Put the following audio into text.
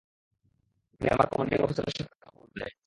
আমি আমার কমান্ডিং অফিসারের সাথে কথা বলতে চাই।